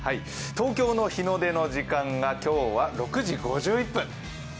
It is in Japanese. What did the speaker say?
東京の日の出の時間が今日は６時５１分。